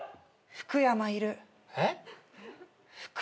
福山いる。